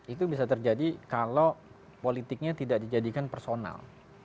itu bisa terjadi kalau politiknya tidak dijadikan personal